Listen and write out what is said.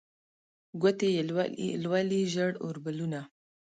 ګوتې یې لولي ژړ اوربلونه